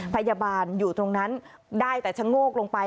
พยาบาลอยู่ตรงนั้นได้แต่ชะโงกลงไป